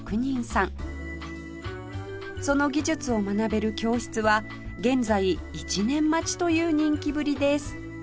その技術を学べる教室は現在１年待ちという人気ぶりです